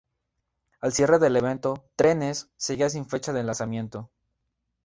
Al cierre del evento, "Trenes" seguía sin fecha de lanzamiento.